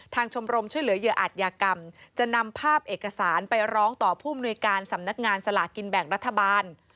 ชมรมช่วยเหลือเหยื่ออาจยากรรมจะนำภาพเอกสารไปร้องต่อผู้มนุยการสำนักงานสลากินแบ่งรัฐบาล